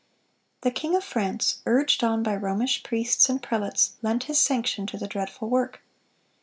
The king of France, urged on by Romish priests and prelates, lent his sanction to the dreadful work.